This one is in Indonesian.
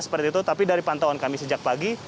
seperti itu tapi dari pantauan kami sejak pagi